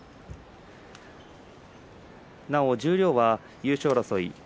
なお十両は優勝争い